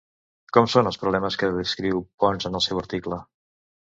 Com són els problemes que descriu Pons en el seu article?